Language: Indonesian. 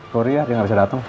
korea dia nggak bisa datang